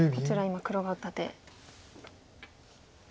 今黒が打った手。